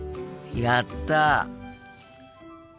やった！